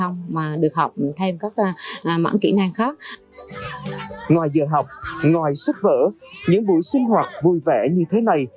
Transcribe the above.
ngoài giờ học ngoài sức vở những buổi sinh hoạt vui vẻ như thế này